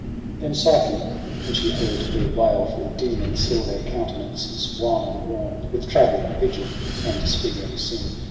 Then Psyche when she heard their waUM din. And saw their countenances wan and worn With travel, vigU, and disfiguring sin.